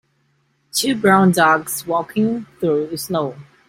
Two brown dogs walking through snow.